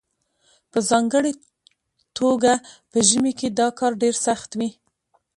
په ځانګړې توګه په ژمي کې دا کار ډیر سخت وي